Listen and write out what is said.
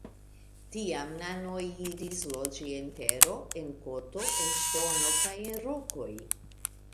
Tiam nanoj iris loĝi en tero, en koto, en ŝtono kaj en rokoj.